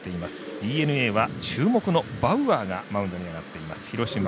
ＤｅＮＡは注目のバウアーがマウンドに上がっています。